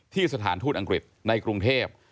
สถานทูตอังกฤษในกรุงเทพ